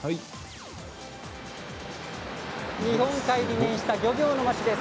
日本海に面した漁業の町です。